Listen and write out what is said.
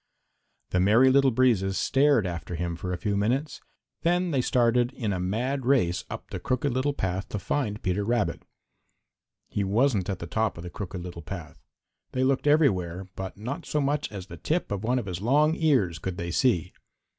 The Merry Little Breezes stared after him for a few minutes, then they started in a mad race up the Crooked Little Path to find Peter Rabbit. He wasn't at the top of the Crooked Little Path. They looked everywhere, but not so much as the tip of one of his long ears could they see.